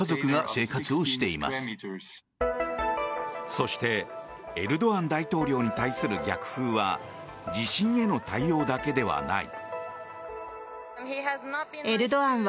そしてエルドアン大統領に対する逆風は地震への対応だけではない。